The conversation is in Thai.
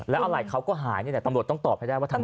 แล้วเอาไหล่เขาก็หายแต่ตำรวจต้องตอบให้ได้ว่าทำไม